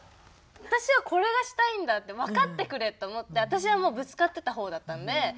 「私はこれがしたいんだ」って「分かってくれ」と思って私はもうぶつかってた方だったんで失敗とか。